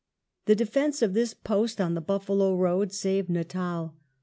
The defence of this post on the Buffalo River saved Natal.